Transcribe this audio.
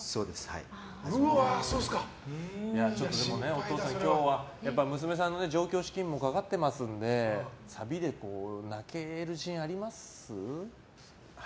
お父さん、今日は娘さんの上京資金もかかっていますのでサビで泣ける自信あります？